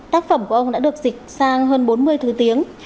tác phẩm của ông đã được dịch sang hơn bốn mươi thứ tiếng